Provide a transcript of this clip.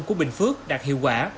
của bình phước đạt hiệu quả